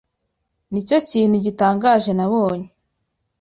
Nicyo kintu gitangaje nabonye.